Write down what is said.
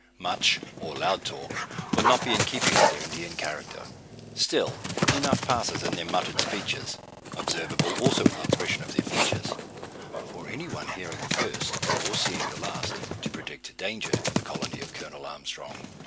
Much or loud talk would not be in keeping with their Indian character. Still enough passes in their muttered speeches observable also in the expression of their features for any one hearing the first, or seeing the last, to predict danger to the colony of Colonel Armstrong.